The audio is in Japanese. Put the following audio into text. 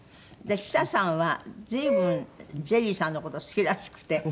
千紗さんは随分ジェリーさんの事好きらしくて。